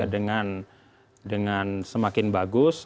dengan semakin bagus